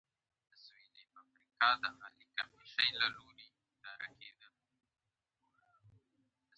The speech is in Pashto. علي د سارې په ترلاسه کولو پسې ډېرې څپلۍ زړې کړلې.